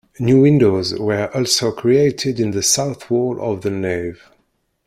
New windows were also created in the south wall of the nave.